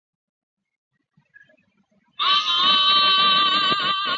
双方为战俘遣返的原则进行了一系列激烈的外交和军事斗争。